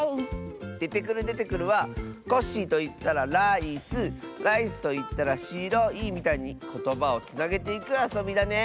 「デテクルデテクル」は「コッシーといったらライスライスといったらしろい」みたいにことばをつなげていくあそびだね！